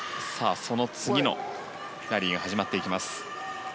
その次のラリーが始まっていきます。